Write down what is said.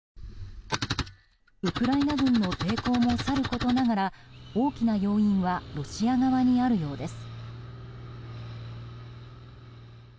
ウクライナ軍の抵抗もさることながら大きな要因はロシア側にあるようです。